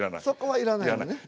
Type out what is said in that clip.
そこはいらないのね。